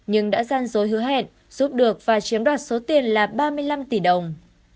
nhưng đã gian dối hứa hẹn giúp được và chiếm đoạt số tiền là ba mươi năm tỷ đồng